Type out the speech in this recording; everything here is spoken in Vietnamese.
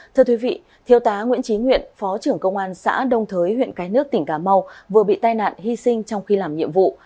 thưa quý vị thiêu tá nguyễn trí nguyện phó trưởng công an xã đông thới huyện cái nước tỉnh cà mau vừa bị tai nạn hy sinh trong khi làm nhiệm vụ